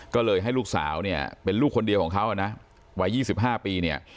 ก็เลยให้ลูกสาวเนี่ยเป็นลูกคนเดียวของเขานะวัย๒๕ปีเนี่ย